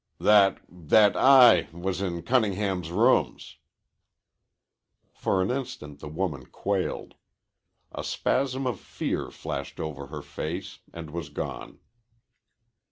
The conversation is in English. "That that I was in Cunningham's rooms." For an instant the woman quailed. A spasm of fear flashed over her face and was gone.